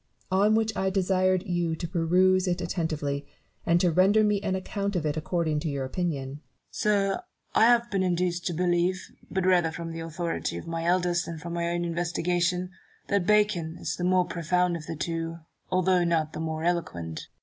On which I desired you to peruse it attentively, and to render me an account of it according to your opinion. Newton, Sir, I have been induced to believe, but rather from the authority of my elders than from my own inves tigation, that Bacon is the more profound of the two, although not the more eloquent.